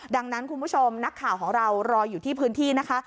ดังนั้นคุณผู้ชมนักข่าวของเรารออยู่ที่พื้นที่นะคะ